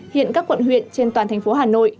hiện các quận huyện trên toàn thành phố hà nội